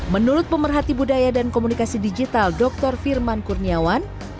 menurut pemerhati budaya dan komunikasi digital dr firman kurniawan